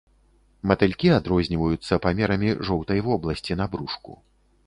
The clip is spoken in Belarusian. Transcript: Матылькі адрозніваюцца памерамі жоўтай вобласці на брушку.